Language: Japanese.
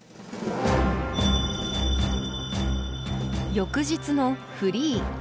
翌日のフリー。